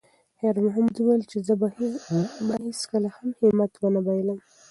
خیر محمد وویل چې زه به هیڅکله هم همت ونه بایللم.